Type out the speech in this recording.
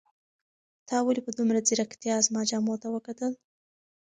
تا ولې په دومره ځیرکتیا زما جامو ته وکتل؟